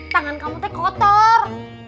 tangan kamu kotor